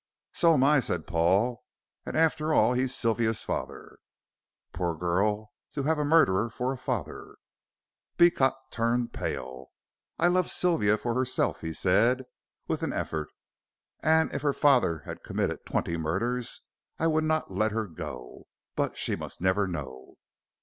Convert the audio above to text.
"So am I," said Paul. "And after all, he is Sylvia's father." "Poor girl, to have a murderer for a father!" Beecot turned pale. "I love Sylvia for herself," he said, with an effort, "and if her father had committed twenty murders I would not let her go. But she must never know."